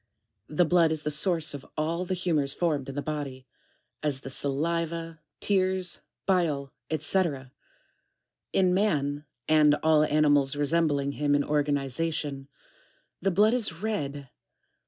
15. The blood is the source of all the humors formed in the body ; as the saliva, tears, bile, &c. 1G. In man, and all animals resembling him in organization, the blood is red.